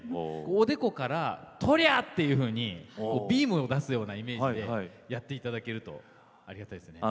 おでこから、とりゃ！というふうにビームを出すようなイメージでやっていただければいいですね。